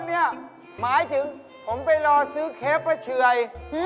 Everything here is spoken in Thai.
หมายถึงผมไปรอซื้อเค็บประเฉย